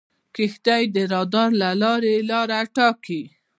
کښتۍ د رادار له لارې لاره ټاکي.